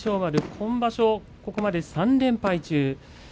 今場所、ここまで３連敗中です。